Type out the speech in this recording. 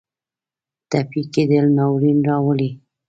ټپي کېدل ناورین راولي.